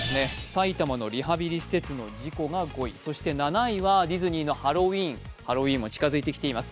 埼玉のリハビリ施設の事故が５位、そして７位はディズニーのハロウィーン、ハロウィーンも近づいてきています。